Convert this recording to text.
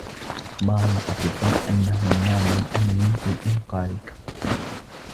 أخبرني الأطبّاء أنّه ما من أمل في إنقاذك.